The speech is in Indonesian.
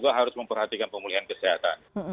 juga harus memperhatikan pemulihan kesehatan